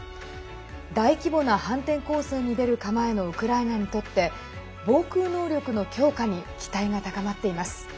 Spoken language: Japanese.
大規模な反転攻勢に出る構えのウクライナにとって防空能力の強化に期待が高まっています。